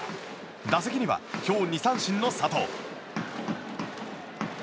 打席には今日、２三振の佐藤。